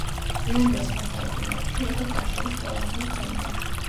გვიანდელ შუა საუკუნეებში იყო ტაშირის პროვინციის ცენტრი.